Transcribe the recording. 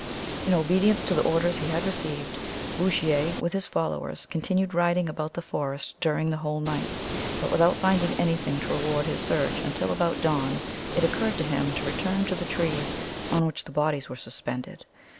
In obedience to the orders he had received, Bouchier, with his followers, continued riding about the forest during the whole night, but without finding anything to reward his search, until about dawn it occurred to him to return to the trees on which the bodies were suspended.